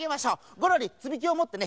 ゴロリつみきをもってね